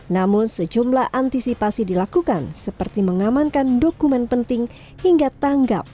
namun sejumlah antisipasi dilakukan seperti mengamankan dokumen penting hingga tanggal